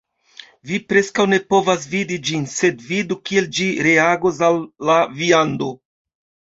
Vi preskaŭ ne povas vidi ĝin sed vidu kiel ĝi reagos al la viando